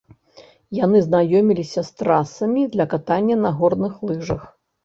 Яны знаёміліся з трасамі для катання на горных лыжах.